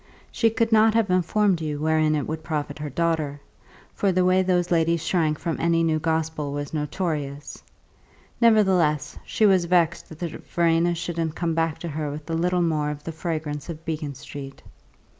She could not have informed you wherein it would profit her daughter (for the way those ladies shrank from any new gospel was notorious); nevertheless she was vexed that Verena shouldn't come back to her with a little more of the fragrance of Beacon Street.